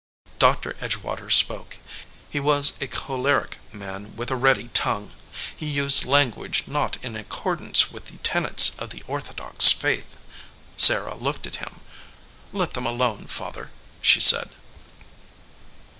Doctor Edgewater spoke. He was a choleric man with a ready tongue. He used language not in accordance with the tenets of the orthodox faith. Sarah looked at him. "Let them alone, Father," she said.